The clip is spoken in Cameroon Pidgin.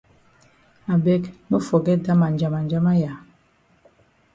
I beg no forget dat ma njamanjama ya.